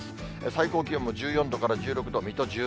最高気温も１４度から１６度、水戸１７度。